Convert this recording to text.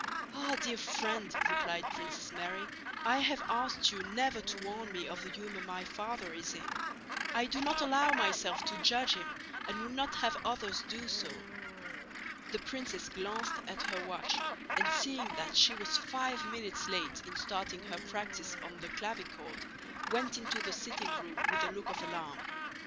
"Ah, dear friend," replied Princess Mary, "I have asked you never to warn me of the humor my father is in. I do not allow myself to judge him and would not have others do so." The princess glanced at her watch and, seeing that she was five minutes late in starting her practice on the clavichord, went into the sitting room with a look of alarm.